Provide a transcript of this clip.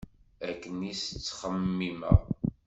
Akken i s-ttxemmimeɣ.